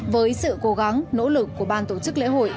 với sự cố gắng nỗ lực của ban tổ chức lễ hội